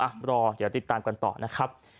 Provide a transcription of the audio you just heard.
รอเดี๋ยวติดตามกันต่อนะครับ